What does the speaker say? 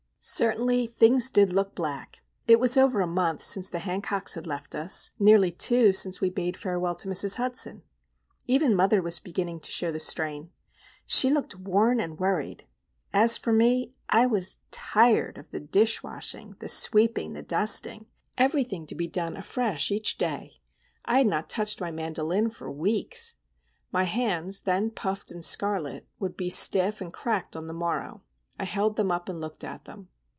Certainly, things did look black. It was over a month since the Hancocks had left us, nearly two since we bade farewell to Mrs. Hudson. Even mother was beginning to show the strain. She looked worn and worried. As for me, I was tired of the dish washing, the sweeping, the dusting; everything to be done afresh each day. I had not touched my mandolin for weeks. My hands, then puffed and scarlet, would be stiff and cracked on the morrow. I held them up and looked at them.